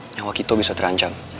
nyawa kito bisa terancam